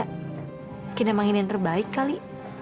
mungkin emang ini yang terbaik kali